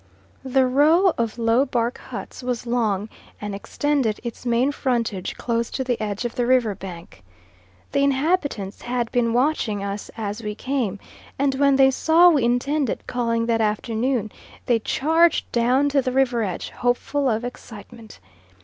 The row of low, bark huts was long, and extended its main frontage close to the edge of the river bank. The inhabitants had been watching us as we came, and when they saw we intended calling that afternoon, they charged down to the river edge hopeful of excitement.